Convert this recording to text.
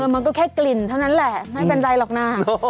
มันก็แค่กลิ่นเท่านั้นแหละไม่เป็นไรหรอกนะ